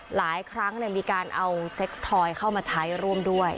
หลายครั้งมีการเอาเซ็กส์ทอยเข้ามาใช้ร่วมด้วย